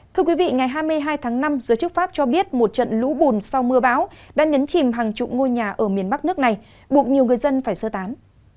thưa quý vị ngày hai mươi hai tháng năm giới chức pháp cho biết một trận lũ bùn sau mưa bão đã nhấn chìm hàng chục ngôi nhà ở miền bắc nước này buộc nhiều người dân phải sơ tán